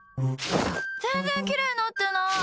全然きれいになってない！